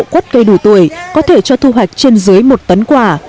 quất cây đủ tuổi có thể cho thu hoạch trên dưới một tấn quả